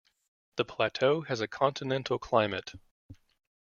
The plateau has a continental climate.